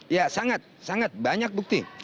ya sangat sangat banyak bukti